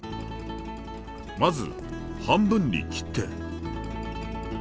まず半分に切って。